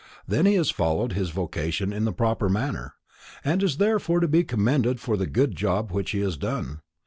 Then he has followed his vocation in the proper manner, and is therefore to be commended for the good which he has done.